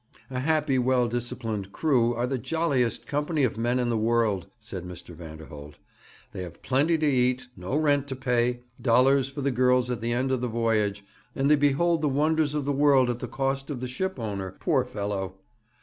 'A happy, well disciplined crew are the jolliest company of men in the world,' said Mr. Vanderholt. 'They have plenty to eat, no rent to pay, dollars for the girls at the end of the voyage, and they behold the wonders of the world at the cost of the ship owner poor fellow!